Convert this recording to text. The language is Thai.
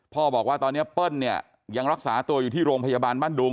บอกว่าตอนนี้เปิ้ลเนี่ยยังรักษาตัวอยู่ที่โรงพยาบาลบ้านดุง